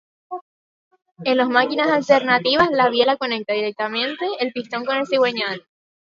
En los máquinas alternativas la biela conecta directamente el pistón con el cigüeñal.